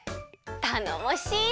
たのもしい！